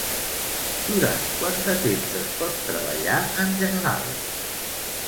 Durant quant de temps es pot treballar en general?